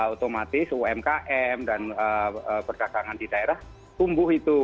otomatis umkm dan perdagangan di daerah tumbuh itu